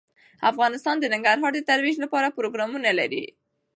افغانستان د ننګرهار د ترویج لپاره پروګرامونه لري.